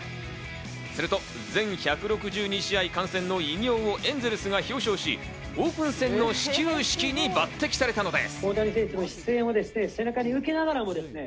すると全１６２試合観戦の偉業をエンゼルスが表彰し、オープン戦の始球式に抜擢されたのです。